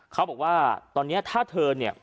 เขาบอกว่าตอนนี้ถ้าเธอ